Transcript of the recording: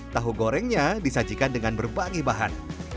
tahu gorengnya disajikan dengan berbagai bahan